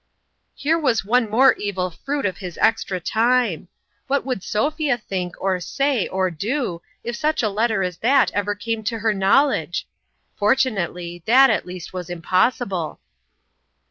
Here was one more evil fruit of his extra time ! What would Sophia think, or say, or do, if such a letter as that ever came to her knowledge ? Fortunately, that at least was impossible